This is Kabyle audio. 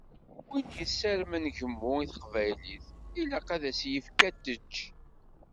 Win yessarmen gemmu i teqbaylit ilaq ad as-yefk ad tečč.